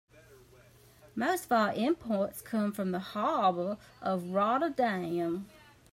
Most of our imports come from the harbor of Rotterdam.